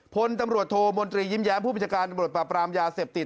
พ้นตำรวจโทมนตรียิ้มแย้มผู้บิจการตำรวจประปรามยาเสพติด